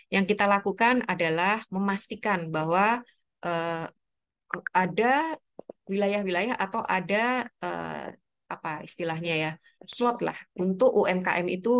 yang kita lakukan adalah memastikan bahwa ada wilayah wilayah atau ada slot untuk umkm itu